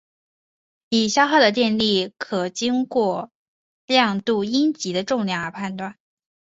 已消耗的电力可经过量度阴极的重量而断定。